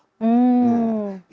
ada orang yang mau umroh